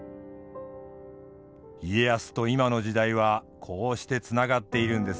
家康と今の時代はこうしてつながっているんですね。